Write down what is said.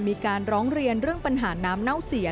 มีการร้องเรียนเรื่องปัญหาน้ำเน่าเสีย